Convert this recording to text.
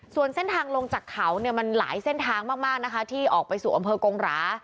ส่วนเส้นทางลงจากเขาเนี่ยมันหลายเส้นทางมากนะคะที่ออกไปสู่อำเภอกงหรา